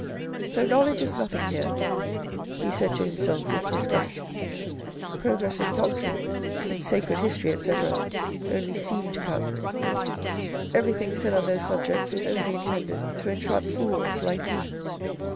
"So knowledge is nothing here," he said to himself with disgust. " Progress in doctrine, in sacred history, etc., only seem to count. Everything said on those subjects is only intended to entrap fools like me.